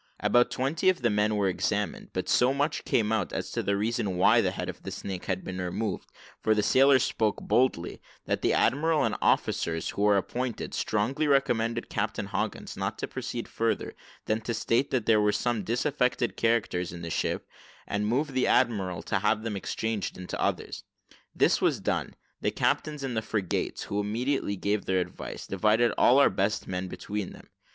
About twenty of the men were examined, but so much came out as to the reason why the head of the snake had been removed for the sailors spoke boldly that the admiral and officers who were appointed strongly recommended Captain Hawkins not to proceed further than to state that there were some disaffected characters in the ship, and move the admiral to have them exchanged into others. This was done, and the captains of the frigates, who immediately gave their advice, divided all our best men between them.